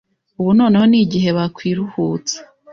ubu noneho nigihe bakwiruhutsa